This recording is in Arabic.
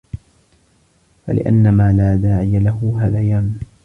فَلِأَنَّ مَا لَا دَاعِيَ لَهُ هَذَيَانٌ